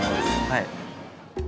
はい。